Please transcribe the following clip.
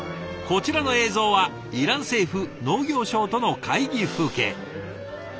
こちらの映像はイラン政府農業省との会議風景。